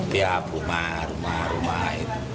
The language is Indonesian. di abu rumah rumah rumah